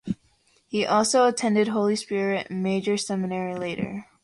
He also attended Holy Spirit Major Seminary later.